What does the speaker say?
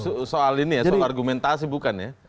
soal ini ya soal argumentasi bukan ya